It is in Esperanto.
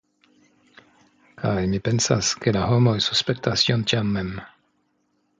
Kaj mi pensas, ke la homoj suspektas ion tian mem.